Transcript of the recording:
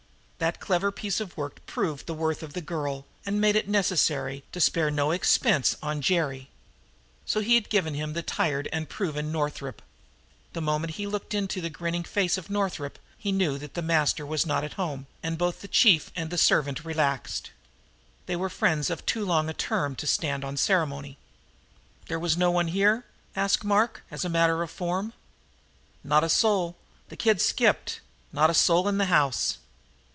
That clever piece of work had proved the worth of the girl and made it necessary to spare no expense on Jerry. So he had given him the tried and proven Northup. The moment he looked into the grinning face of Northup he knew that the master was not at home, and both the chief and the servant relaxed. They were friends of too long a term to stand on ceremony. "There's no one here?" asked Mark, as a matter of form. "Not a soul the kid skipped not a soul in the house."